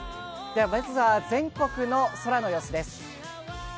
まずは全国の空の様子です。